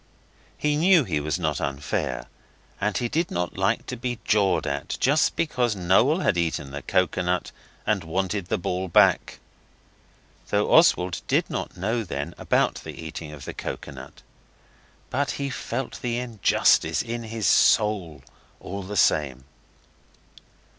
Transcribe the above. He knew he was not unfair, and he did not like to be jawed at just because Noel had eaten the coconut and wanted the ball back. Though Oswald did not know then about the eating of the coconut, but he felt the injustice in his soul all the same.